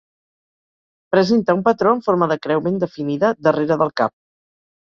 Presenta un patró en forma de creu ben definida darrere del cap.